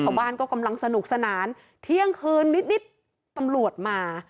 ชาวบ้านก็กำลังสนุกสนานเที่ยงคืนนิดตำรวจมา